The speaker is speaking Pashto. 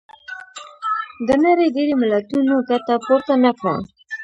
د نړۍ ډېری ملتونو ګټه پورته نه کړه.